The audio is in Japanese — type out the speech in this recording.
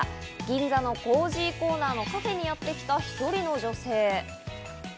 銀座のコージーコーナーのカフェにやってきた１人の女性。